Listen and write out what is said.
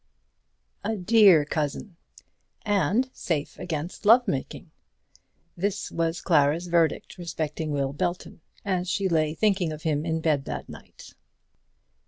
A dear cousin, and safe against love making! This was Clara's verdict respecting Will Belton, as she lay thinking of him in bed that night.